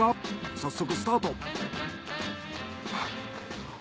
早速スタート。